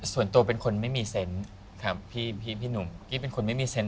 ส่วนตัวเป็นคนไม่มีเซนต์ครับพี่หนุ่มกี้เป็นคนไม่มีเซ็นต